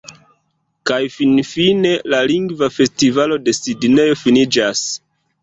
Kaj finfine, la Lingva Festivalo de Sidnejo finiĝas.